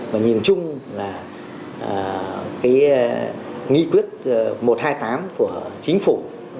và nhìn chung là cái nghị quyết một trăm hai mươi tám của chính phủ